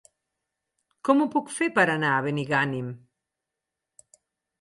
Com ho puc fer per anar a Benigànim?